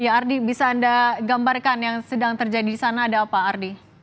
ya ardi bisa anda gambarkan yang sedang terjadi di sana ada apa ardi